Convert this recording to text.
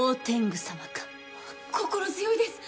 心強いです！